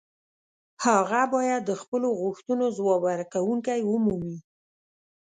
هغه باید د خپلو غوښتنو ځواب ورکوونکې ومومي.